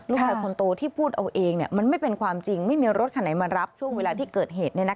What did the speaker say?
ลูกชายคนโตที่พูดเอาเองมันไม่เป็นความจริงไม่มีรถคันไหนมารับช่วงเวลาที่เกิดเหตุ